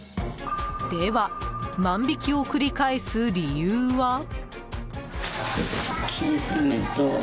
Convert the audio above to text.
では、万引きを繰り返す理由は。